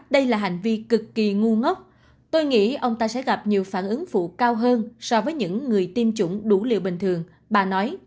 đây là hành vi cực kỳ ngu ngốc tôi nghĩ ông ta sẽ gặp nhiều phản ứng phụ cao hơn so với những người tiêm chủng đủ liều bình thường bà nói